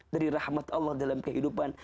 dari rahmat allah dalam kehidupan